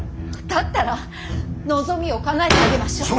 だったら望みをかなえてあげましょう。